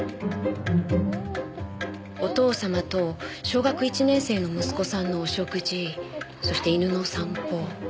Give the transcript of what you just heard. お父様と小学１年生の息子さんのお食事そして犬のお散歩。